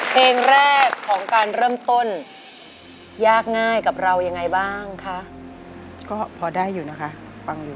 เพลงแรกของการเริ่มต้นยากง่ายกับเรายังไงบ้างคะก็พอได้อยู่นะคะฟังอยู่